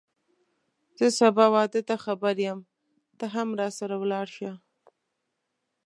زه سبا واده ته خبر یم ته هم راسره ولاړ شه